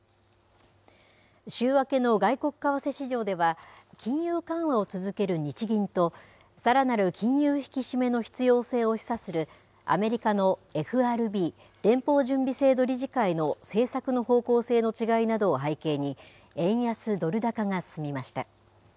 週明けの外国為替市場では、金融緩和を続ける日銀と、さらなる金融引き締めの必要性を示唆する、アメリカのＦＲＢ・連邦準備制度理事会の政策の方向性の違いなどを背景に、円安ドル高が進みました。